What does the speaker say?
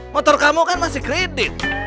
motor kamu kan masih kredit